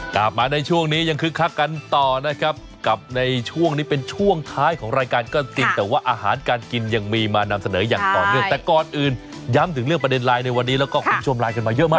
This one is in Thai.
กลับมาในช่วงนี้ยังคึกคักกันต่อนะครับกับในช่วงนี้เป็นช่วงท้ายของรายการก็จริงแต่ว่าอาหารการกินยังมีมานำเสนออย่างต่อเนื่องแต่ก่อนอื่นย้ำถึงเรื่องประเด็นไลน์ในวันนี้แล้วก็คุณผู้ชมไลน์กันมาเยอะมาก